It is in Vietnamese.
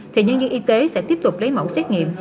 thì nhân viên y tế sẽ tiếp tục lấy mẫu xét nghiệm